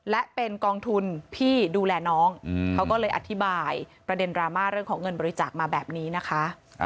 และเป็นกองทุนพี่ดูแลน้องเขาก็เลยอธิบายประเด็นดราม่าเรื่องของเงินบริจาคมาแบบนี้นะคะ